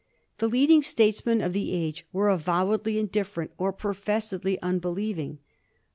The lead ing statesmen of the age were avowedly indifferent or professedly unbelieving.